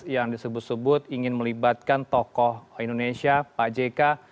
yang disebut sebut ingin melibatkan tokoh indonesia pak jk